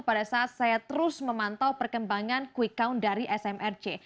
pada saat saya terus memantau perkembangan quick count dari smrc